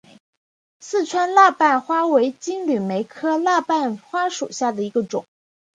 四川蜡瓣花为金缕梅科蜡瓣花属下的一个种。